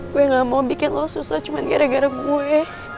gue gak mau bikin lo susah cuma gara gara gue